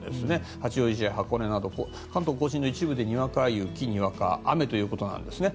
八王子市や箱根など関東・甲信の一部でにわか雪にわか雨ということです。